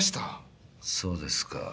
そうですか。